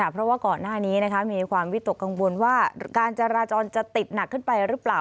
เพราะว่าก่อนหน้านี้มีความวิตกกังวลว่าการจราจรจะติดหนักขึ้นไปหรือเปล่า